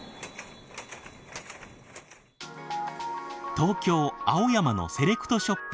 東京・青山のセレクトショップ。